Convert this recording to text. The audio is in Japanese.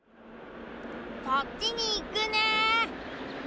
そっちにいくね。